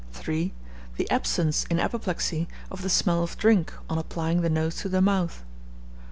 3. The absence, in apoplexy, of the smell of drink on applying the nose to the mouth.